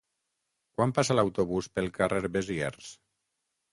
Quan passa l'autobús pel carrer Besiers?